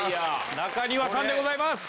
中庭さんでございます。